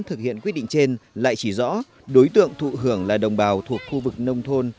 thực hiện quyết định trên lại chỉ rõ đối tượng thụ hưởng là đồng bào thuộc khu vực nông thôn